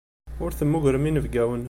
Ur temmugrem inebgawen.